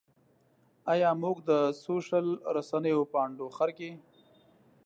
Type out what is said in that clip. ایا موږ د سوشل رسنیو په انډوخر کې.